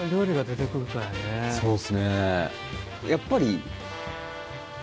そうですね。